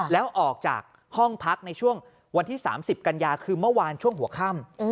แล้วออกจากห้องพักในช่วงวันที่๓๐กันยาคือเมื่อวานช่วงหัวค่ำ